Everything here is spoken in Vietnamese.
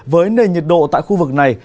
với nền nhiệt độ tại khu vực này